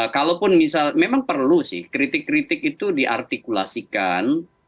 kalaupun misal memang perlu sih kritik kritik itu diartikulasikan